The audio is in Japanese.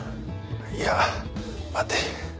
いや待て。